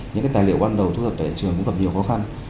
những tài liệu ban đầu thu thập tại trường cũng gặp nhiều khó khăn